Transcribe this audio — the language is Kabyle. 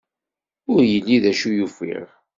Ur yelli d acu i ufiɣ.